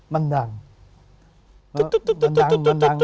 มันดังมันดังมันดัง